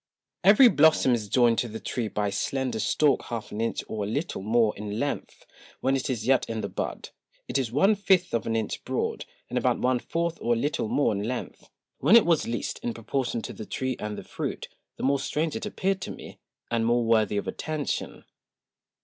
Every Blossom is joined to the Tree by a slender Stalk half an Inch or a little more in length; when it is yet in the Bud, it is one Fifth of an Inch broad, and about one fourth or a little more in length: when it was least, in proportion to the Tree and the Fruit, the more strange it appeared to me, and more worthy of Attention[a].